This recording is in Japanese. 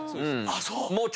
あっそう⁉